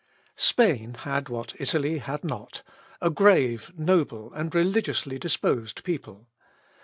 Spain had what Italy had not a grave, noble, and religiously disposed people.